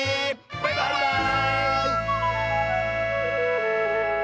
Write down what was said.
バイバーイ！